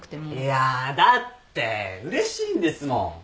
いやだってうれしいんですもん。